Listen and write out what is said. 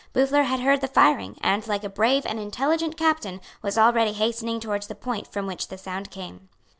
Boufflers had heard the firing, and, like a brave and intelligent captain, was already hastening towards the point from which the sound came.